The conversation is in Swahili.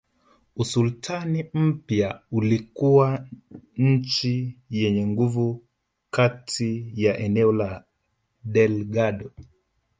Usultani mpya ulikuwa nchi yenye nguvu kati ya eneo la Delgado